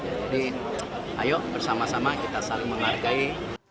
jadi ayo bersama sama kita saling menghargai